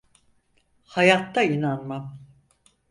Hayatta inanmam.